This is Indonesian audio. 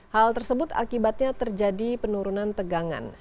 hal tersebut akibatnya terjadi penurunan tegangan